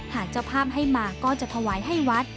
หากเจ้าภาพให้มาก็จะถวายให้วัด